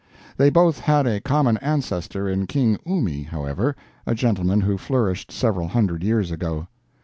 They both had a common ancestor in King Umi, however, a gentleman who flourished several hundred years ago.